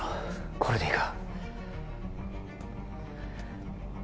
これでいいか？